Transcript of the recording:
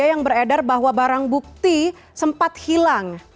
yang beredar bahwa barang bukti sempat hilang